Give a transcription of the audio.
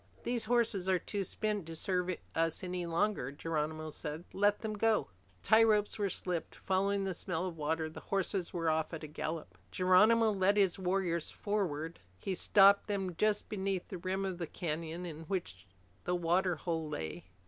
"These horses are too spent to serve us any longer," Geronimo said. "Let them go." Tie ropes were slipped. Following the smell of water, the horses were off at a gallop. Geronimo led his warriors forward. He stopped them just beneath the rim of the canyon in which the water hole lay.